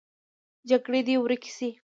جګړې دې ورکې شي